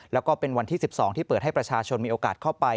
แล้วก็เป็นวันที่๑๒ที่เปิดให้ประชาชนมีโอกาสเข้าไป